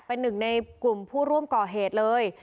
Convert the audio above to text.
เป็นหนึ่งในกลุ่มผู้ร่วมก่อเหตุเลย